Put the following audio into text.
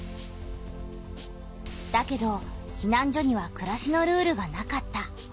だけどひなん所にはくらしのルールがなかった。